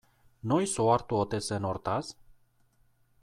Noiz ohartu ote zen hortaz?